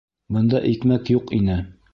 Бында икмәк юҡ ине.